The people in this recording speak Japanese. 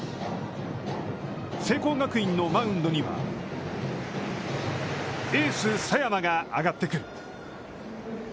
聖光学院のマウンドにはエース佐山が上がってくる。